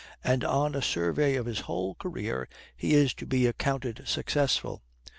And on a survey of his whole career he is to be accounted successful.